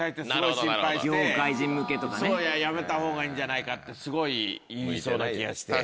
やめたほうがいいんじゃないかってすごい言いそうな気がして。